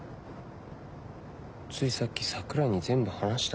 ついさっき桜井に全部話した。